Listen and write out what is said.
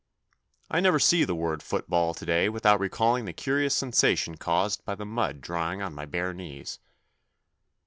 I never see the word football to day without recalling the curious sensation caused by the mud drying on my bare knees.